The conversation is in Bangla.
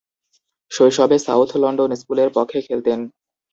শৈশবে সাউথ লন্ডন স্কুলের পক্ষে খেলতেন।